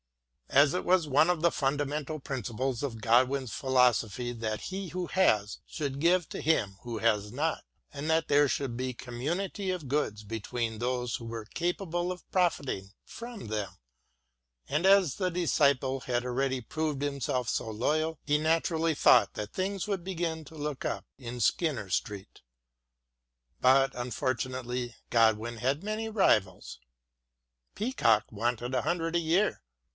As it was one of the funda mental principles of Godwin's philosophy that he who has should give to him who has not, and that there should be community of goods between MARY WOLLSTONECRAFT 8i those who were capable of profiting from them, and as the disciple had already proved himself so loyal, he naturally thought that things would begin to look up in Skinner Street. But unfor tunately Godwin had many rivals. Peacock wanted a hundred a year.